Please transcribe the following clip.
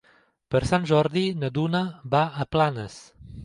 Per Sant Jordi na Duna va a Planes.